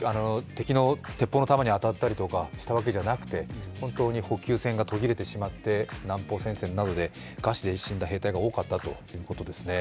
鉄砲の弾に当たったりとかしたわけじゃなくて補給線が途切れてしまって南方戦線などで餓死で死んだ兵隊が多かったということですね。